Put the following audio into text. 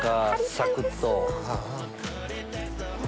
サクっと。